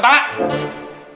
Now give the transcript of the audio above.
eh gak usah ketawa